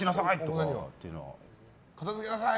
片付けなさい！